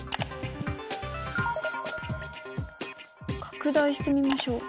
拡大してみましょう。